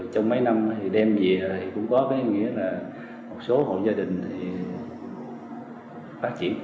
trong mấy năm thì đem về thì cũng có cái nghĩa là một số hội gia đình thì phát triển